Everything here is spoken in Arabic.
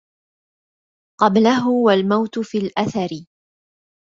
قبلَه والموتُ في الأَثَرِ